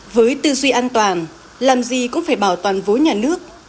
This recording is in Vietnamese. với tư duy an toàn làm gì cũng phải bảo toàn vốn nhà nước